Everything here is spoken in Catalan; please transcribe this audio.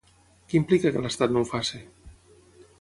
Què implica que l'estat no ho faci?